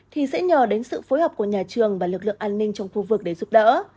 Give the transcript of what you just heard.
thì sẽ nhờ đến sự phối hợp của nhà trường và lực lượng an ninh trong khu vực để giúp đỡ